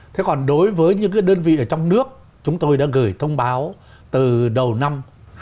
thế còn đối với những cái đơn vị ở trong nước chúng tôi đã gửi thông báo từ đầu năm hai nghìn một mươi chín